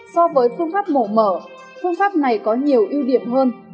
so với phương pháp mổ mở phương pháp này có nhiều ưu điểm hơn